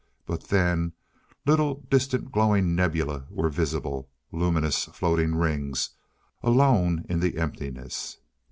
But then little distant glowing nebulae were visible luminous, floating rings, alone in the emptiness....